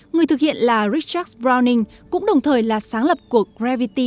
người thực hiện là richard browning cũng đồng thời là sáng lập của gravity international